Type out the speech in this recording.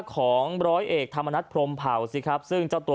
ก็คือคุณพูดอย่างนี้ได้เลยเหรอคะ